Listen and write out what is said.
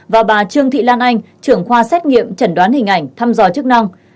và bà trương thị lan anh trưởng khoa xét nghiệm chẩn đoán hình ảnh thăm dò chức năng